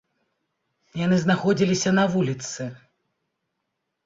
Яны знаходзіліся на вуліцы.